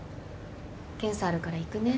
検査あるから行くね。